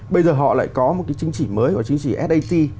bây giờ họ lại có một cái chính trị mới của chính trị sat